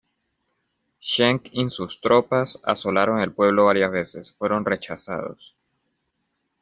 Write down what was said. Schenck y sus tropas asolaron el pueblo varias veces, fueron rechazados.